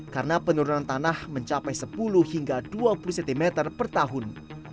karena penurunan tanah mencapai sepuluh hingga dua puluh cm per tahun